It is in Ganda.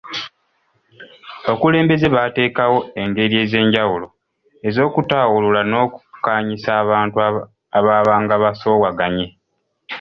Abakulembeze baateekawo engeri ez’enjawulo ez’okutaawulula n’okukkaanyisa abantu abaabanga basoowaganye.